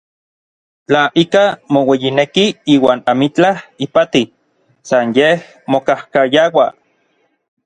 Tla ikaj moueyineki iuan amitlaj ipati, san yej mokajkayaua.